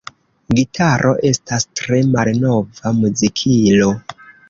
Gitaro estas tre malnova muzikilo.